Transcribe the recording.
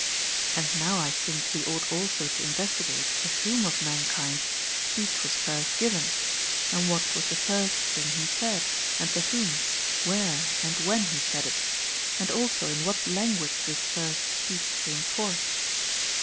And now I think human we ought also to investigate to whom of man ^P^^^ kind speech was first given, and what was the first thing he said, and to whom, where, and when he said it ; and also in what language this first speech came forth.